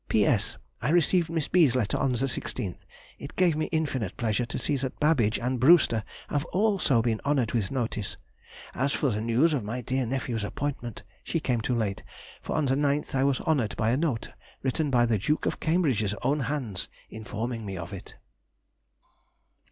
P.S.—I received Miss B.'s letter on the 16th. It gave me infinite pleasure to see that Babbage and Brewster have also been honoured with notice. As for the news of my dear nephew's appointment, she came too late, for on the 9th I was honoured by a note written by the Duke of Cambridge's own hands, informing me of it.